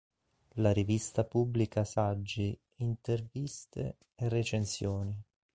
La rivista pubblica saggi, interviste e recensioni.